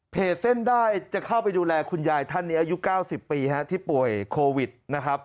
เส้นได้จะเข้าไปดูแลคุณยายท่านนี้อายุ๙๐ปีที่ป่วยโควิดนะครับ